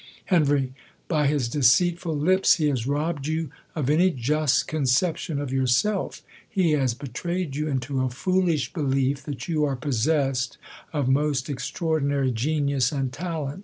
Hen, By his deceitful lips, he has robbed you of any just conception of yourself; he has betrayed you into a foolish belief that you are possessed of most ex traordinary genius and talent??.